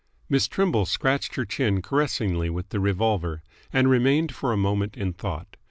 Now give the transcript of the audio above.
Miss Trimble scratched her chin caressingly with the revolver, and remained for a moment in thought.